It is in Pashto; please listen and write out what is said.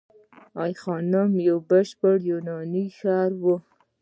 ای خانم یو بشپړ یوناني ښار و